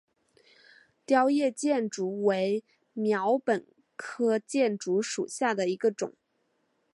凋叶箭竹为禾本科箭竹属下的一个种。